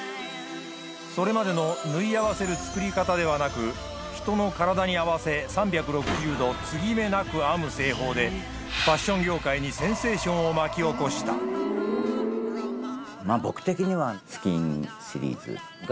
それまでの縫い合わせる作り方ではなく人の体に合わせ３６０度継ぎ目なく編む製法でファッション業界にセンセーションを巻き起こした僕的には。